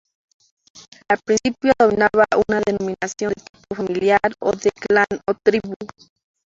Al principio dominaba una denominación de tipo familiar o de clan o tribu.